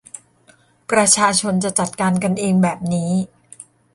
ประชาชนจะจัดการกันเองแบบนี้